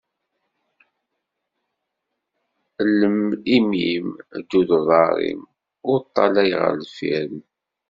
Llem imi-im, ddu d uḍar-im, ur ṭalay ɣer deffir-m.